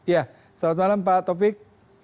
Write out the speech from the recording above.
ya selamat malam pak taufik